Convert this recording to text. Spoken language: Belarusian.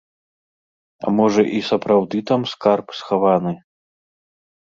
А можа, і сапраўды там скарб схаваны?